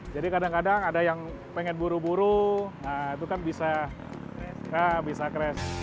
kadang kadang ada yang pengen buru buru itu kan bisa crash